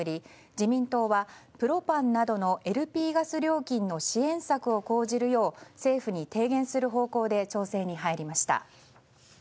自民党はプロパンなどのＬＰガス料金の支援策を講じるよう政府に提言する方向で調整に入りました。